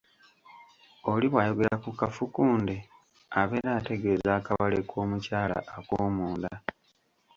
Oli bw’ayogera ku kafukunde abeera ategeeza akawale k’omukyala akoomunda.